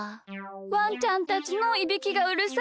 わんちゃんたちのいびきがうるさいんです。